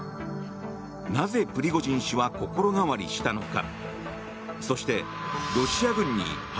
なぜ、プリゴジン氏は心変わりしたのか？